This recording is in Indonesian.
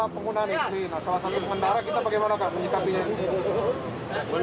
penggunaan ini selesai selesai kita bagaimana